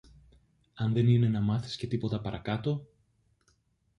αν δεν είναι να μάθεις και τίποτα παρακάτω;